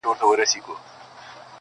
زما او ستا دي له دې وروسته شراکت وي؛